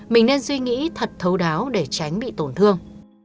mình nên suy nghĩ thật thấu đáo để tránh bị tổn thương